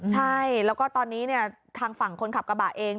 ใช่แล้วก็ตอนนี้ทางฝั่งคนขับกระบะเอง